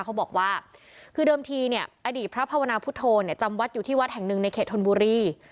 เขาบอกว่าคือเดิมทีเนี่ยอดีตพระภาวนาพุทธโธเนี่ยจำวัดอยู่ที่วัดแห่งหนึ่งในเขตธนบุรี